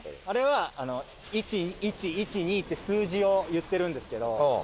あれは「１１１２！」って数字を言ってるんですけど